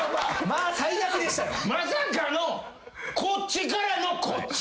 まさかのこっちからのこっち。